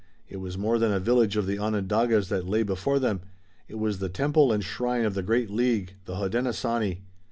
It was more than a village of the Onondagas that lay before them, it was the temple and shrine of the great league, the Hodenosaunee.